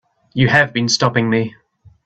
You have been stopping me.